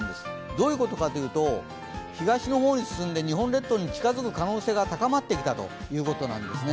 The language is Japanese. どういうことかというと、東の方に進んで、日本列島に近づく可能性が高まってきたということなんです。